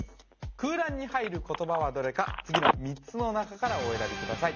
空欄に入る言葉はどれか次の３つのなかからお選びください